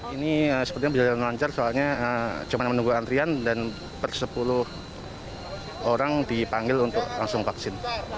ini sepertinya berjalan lancar soalnya cuma menunggu antrian dan per sepuluh orang dipanggil untuk langsung vaksin